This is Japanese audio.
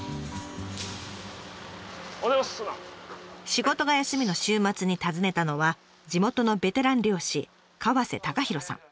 仕事が休みの週末に訪ねたのは地元のベテラン漁師河貴博さん。